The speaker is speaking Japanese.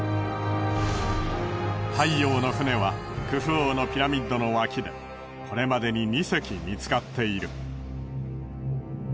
太陽の船はクフ王のピラミッドの脇でこれまでに２隻見つかっている。